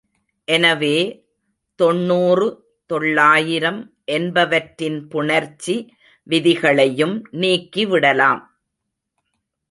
எனவே, தொண்ணூறு, தொள்ளாயிரம் என்பவற்றின் புணர்ச்சி விதிகளையும் நீக்கிவிடலாம்.